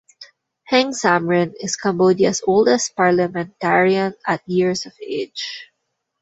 Heng Samrin is Cambodia's oldest parliamentarian, at years of age.